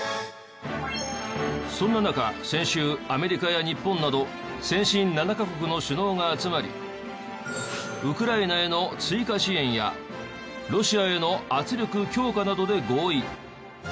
そんな中先週アメリカや日本など先進７カ国の首脳が集まりウクライナへの追加支援やロシアへの圧力強化などで合意。